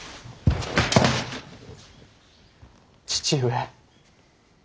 父上。